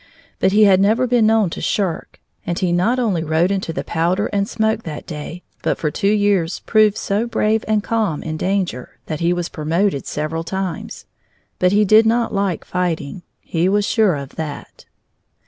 But he had never been known to shirk, and he not only rode into the powder and smoke that day, but for two years proved so brave and calm in danger that he was promoted several times. But he did not like fighting. He was sure of that.